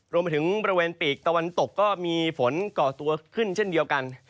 รวมไปถึงบริเวณปีกตะวันตกก็มีฝนก่อตัวขึ้นเช่นเดียวกัน